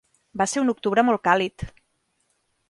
Va ser un octubre molt càlid.